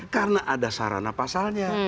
karena ada sarana pasalnya